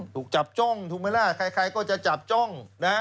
ถูกจับจ้องถูกไหมล่ะใครก็จะจับจ้องนะ